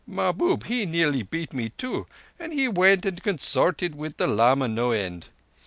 Mahbub he nearly beat me too, and he went and consorted with the lama no end.